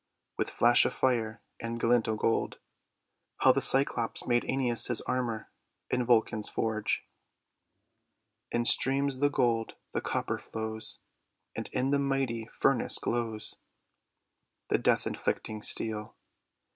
WITH FLASH O' FIRE AND GLINT O' GOLD HOW THE CYCLOPS MADE AENEAS1 ARMOUR IN VULCAN'S FORGE In streams the gold, the copper flows, And in the mighty furnace glows The death inflicting steel.